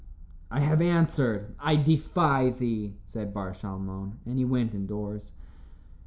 "I have answered; I defy thee," said Bar Shalmon, and he went indoors.